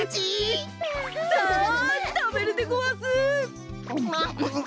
さあたべるでごわす！